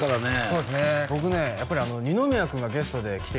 そうですね